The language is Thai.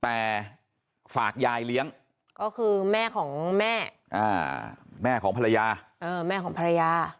แต่ฝากยายเลี้ยงก็คือแม่ของแม่แม่ของภรรยาแม่ของภรรยา